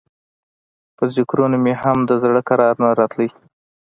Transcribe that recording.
په ذکرونو مې هم د زړه کرار نه راته.